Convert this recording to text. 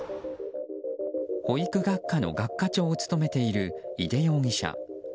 保育学科の学科長を務めている井手容疑者。